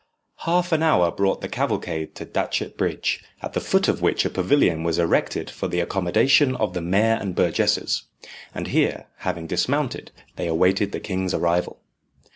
Half an hour brought the cavalcade to Datchet Bridge, at the foot of which a pavilion was erected for the accommodation of the mayor and burgesses. And here, having dismounted, they awaited the king's arrival.